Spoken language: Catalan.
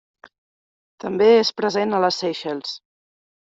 També és present a les Seychelles.